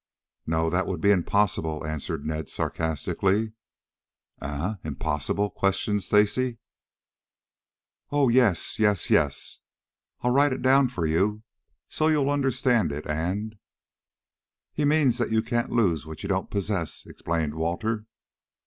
"No, that would be impossible," answered Ned sarcastically. "Eh? Impossible?" questioned Stacy. "Oh, yes, yes, yes. I'll write it down for you so you'll understand it and " "He means that you can't lose what you don't possess," explained Walter.